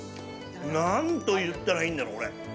何といったらいいんだ、これ。